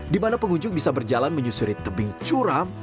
dimana pengunjung bisa berjalan menyusuri tebing curam